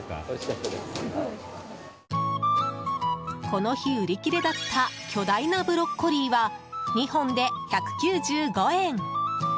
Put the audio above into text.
この日、売り切れだった巨大なブロッコリーは２本で１９５円。